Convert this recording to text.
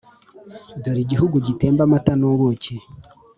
dore igihugu gitemba amata n’ubuki.